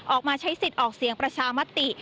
ออกมาใช้สิทธิ์ออกเสียงประชามติ